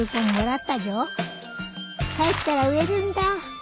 帰ったら植えるんだ。